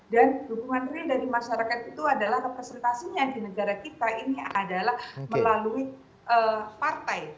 dan hukuman real dari masyarakat itu adalah representasinya di negara kita ini adalah melalui partai